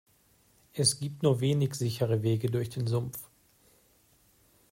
Es gibt nur wenige sichere Wege durch den Sumpf.